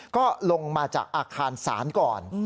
ก็ลงมาจากอาคารศาลก่อน